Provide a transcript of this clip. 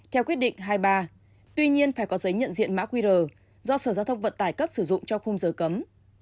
theo quyết định hai mươi ba tuy nhiên phải có giấy nhận diện mã qr do sở giao thông vận tải cấp sử dụng cho khung giờ cấm